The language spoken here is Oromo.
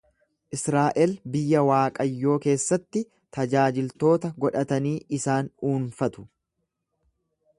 Israa’el biyya Waaqayyoo keessatti tajaajiltoota godhatanii isaan dhuunfatu.